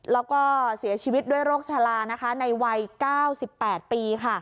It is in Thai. แล้วก็เสียชีวิตด้วยโรคชะลานะคะในวัย๙๘ปีค่ะ